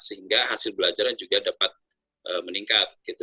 sehingga hasil belajaran juga dapat meningkat gitu